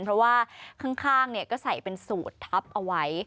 เพราะว่าข้างก็ใส่เป็นสูตรทับเอาไว้